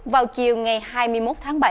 vào chiều ngày hai mươi một tháng bảy